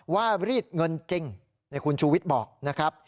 รีดเงินจริงคุณชูวิทย์บอกนะครับ